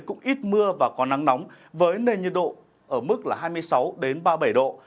cũng ít mưa và có năng nóng với nền nhiệt độ ở mức hai mươi sáu đến ba mươi bảy độ